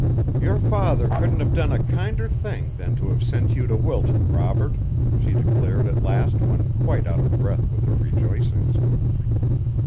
"Your father couldn't have done a kinder thing than to have sent you to Wilton, Robert," she declared at last when quite out of breath with her rejoicings.